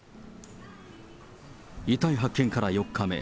遺体発見から４日目。